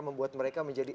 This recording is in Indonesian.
membuat mereka menjadi